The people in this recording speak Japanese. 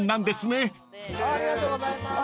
ありがとうございます。